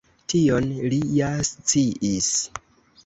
Tion li ja sciis.